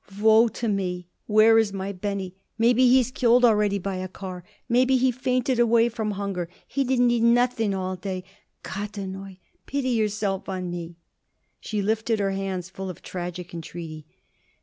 "Woe to me! Where is my Benny? Maybe he's killed already by a car. Maybe he fainted away from hunger. He didn't eat nothing all day long. Gottuniu! pity yourself on me!" She lifted her hands full of tragic entreaty.